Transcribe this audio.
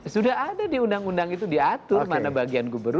sudah ada di undang undang itu diatur mana bagian gubernur mana bagian wakil bupati